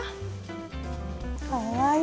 かわいい。